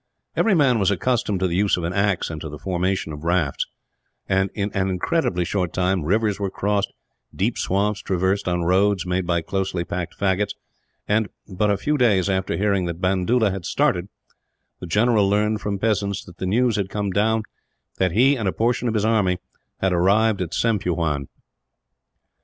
Every man was accustomed to the use of an axe and to the formation of rafts and, in an incredibly short time, rivers were crossed, deep swamps traversed on roads made by closely packed faggots and, but a few days after hearing that Bandoola had started, the general learned, from peasants, that the news had come down that he and a portion of his army had arrived at Sembeughewn.